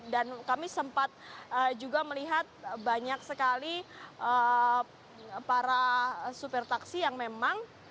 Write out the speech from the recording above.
dan kami sempat juga melihat banyak sekali para supir taksi yang memang